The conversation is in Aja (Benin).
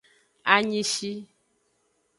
Anyishi.